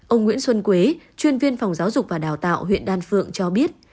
ông nguyễn xuân quế chuyên viên phòng giáo dục và đào tạo huyện đan phượng cho biết